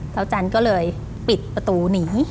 เท้าจันก็เลยปิดประตูหนี